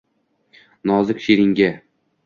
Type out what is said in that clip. Nozik she’ringga